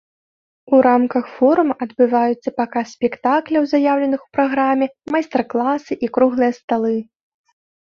У рамках форума адбываюцца паказ спектакляў, заяўленых у праграме, майстар-класы і круглыя сталы.